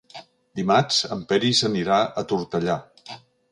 Dimarts en Peris anirà a Tortellà.